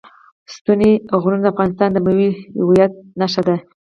ستوني غرونه د افغانستان د ملي هویت نښه ده.